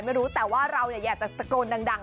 ไม่รู้แต่ว่าเราอยากจะตะโกนดัง